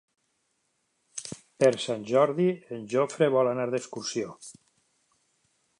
Per Sant Jordi en Jofre vol anar d'excursió.